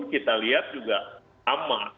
kita lihat juga aman